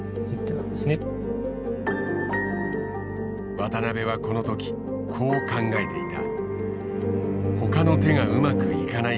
渡辺はこの時こう考えていた。